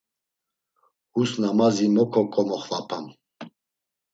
Hus namazi mo ǩoǩomoxvapam.